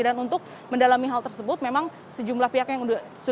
dan untuk mendalami hal tersebut memang sejumlah pihak yang sudah diperhatikan